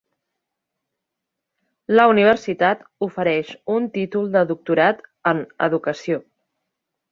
La universitat ofereix un Títol de Doctorat en Educació.